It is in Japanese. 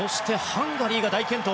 ハンガリーが大健闘。